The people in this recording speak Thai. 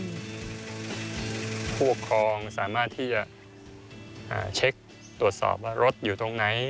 ผู้ปกครองสามารถที่จะเช็คตรวจสอบว่ารถอยู่ตรงไหน